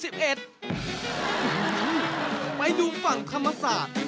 ไปดูฝั่งธรรมศาสตร์